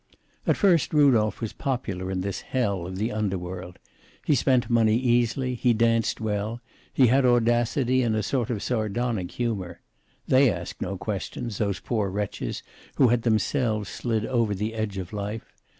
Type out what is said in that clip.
At first Rudolph was popular in this hell of the underworld. He spent money easily, he danced well, he had audacity and a sort of sardonic humor. They asked no questions, those poor wretches who had themselves slid over the edge of life.